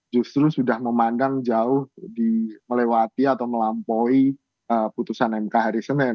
justru sudah memandang jauh melewati atau melampaui putusan mk hari senin